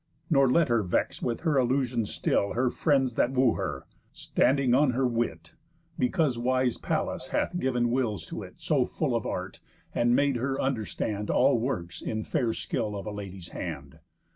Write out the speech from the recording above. Nor let her vex with her illusions still Her friends that woo her, standing on her wit, Because wise Pallas hath giv'n wills to it So full of art, and made her understand All works in fair skill of a lady's hand.